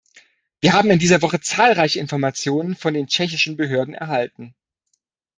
Wir haben in dieser Woche zahlreiche Informationen von den tschechischen Behörden erhalten.